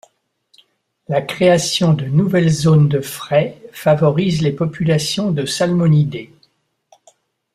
La création de nouvelles zones de fraie favorise les populations de salmonidés.